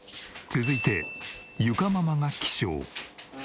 続いて裕佳ママが起床。